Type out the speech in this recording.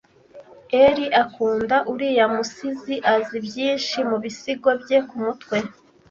Ellie akunda uriya musizi. Azi byinshi mu bisigo bye kumutwe.